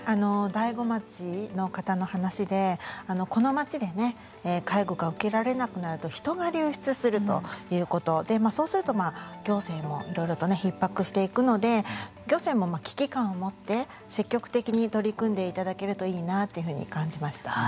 大子町の方の話でこの町で介護が受けられなくなると人が流出するということでまあそうするとまあ行政もいろいろとねひっ迫していくので行政も危機感を持って積極的に取り組んでいただけるといいなあっていうふうに感じました。